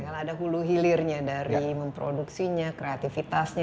kalau ada hulu hilirnya dari memproduksinya kreativitasnya